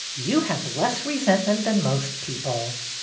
"You have less resent ment than most people."